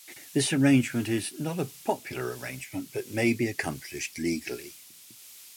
This arrangement is not a popular arrangement but may be accomplished legally.